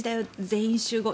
全員集合」